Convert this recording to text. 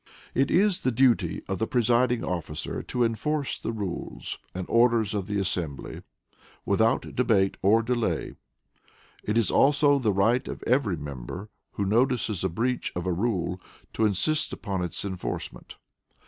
It is the duty of the presiding officer to enforce the rules and orders of the assembly, without debate or delay. It is also the right of every member, who notices a breach of a rule to insist upon its enforcement.